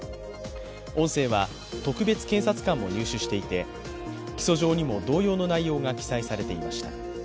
音声は特別検察官も入手していて、起訴状にも同様の内容が記載されていました。